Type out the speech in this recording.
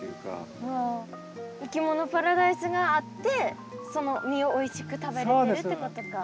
いきものパラダイスがあってその実をおいしく食べられるってことか。